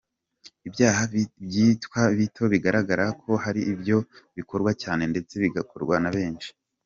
Ibyaha bitwa bito bigaragara ko ari byo bikorwa cyane ndetse bigakorwa na benshi.